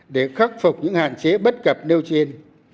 để khắc phục những hạn chế bất cập nêu trên